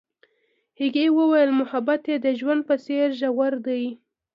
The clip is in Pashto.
هغې وویل محبت یې د ژوند په څېر ژور دی.